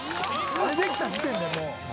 「あれできた時点でもう」